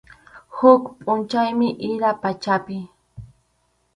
Huk pʼunchawmi ira pachapi.